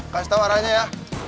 kasih tau arahnya ya